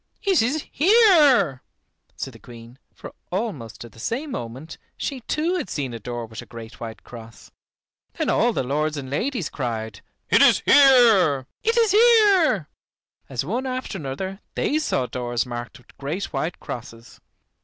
it is here," said the Queen, for almost at the same moment she too had seen a door with a great white cross. Then all the lords and ladies cried: "It is here, it is here," as one after another they saw doors marked with great white crosses.